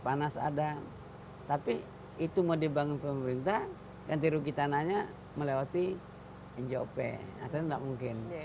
panas ada tapi itu mau dibangun pemerintah dan tiru kita nanya melewati enjope atau enggak mungkin